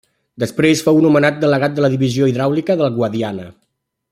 Després fou nomenat delegat de la Divisió Hidràulica del Guadiana.